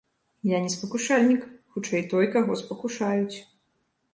Я не спакушальнік, хутчэй, той, каго спакушаюць.